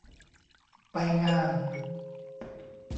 ไปงาน